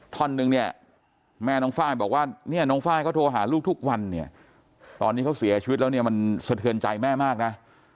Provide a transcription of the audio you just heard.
ท่อนนึงเนี่ยแม่น้องไฟล์บอกว่าเนี่ยน้องไฟล์เขาโทรหาลูกทุกวันเนี่ยตอนนี้เขาเสียชีวิตแล้วเนี่ยมันสะเทือนใจแม่มากนะ